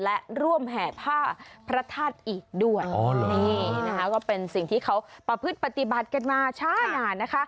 และร่วมแห่ผ้าพระธาตุอีกด้วยนี่นะคะก็เป็นสิ่งที่เขาประพฤติปฏิบัติกันมาช้านานนะคะ